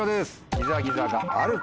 「ギザギザがある」。